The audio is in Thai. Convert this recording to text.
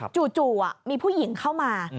จู่มีผู้หญิงเข้ามา